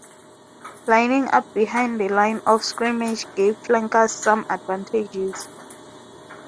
Lining up behind the line of scrimmage gave flankers some advantages.